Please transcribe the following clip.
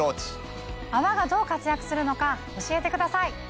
泡がどう活躍するのか教えてください。